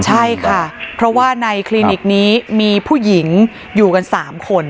ใช่ค่ะเพราะว่าในคลินิกนี้มีผู้หญิงอยู่กัน๓คน